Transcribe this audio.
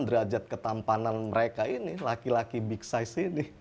derajat ketampanan mereka ini laki laki big size ini